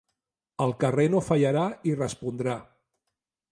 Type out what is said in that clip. El carrer no fallarà i respondrà.